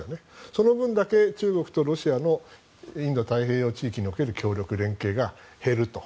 その分だけ中国とロシアのインド太平洋地域における協力・連携が減ると。